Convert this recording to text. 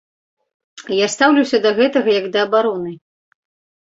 Я стаўлюся да гэтага як да абароны.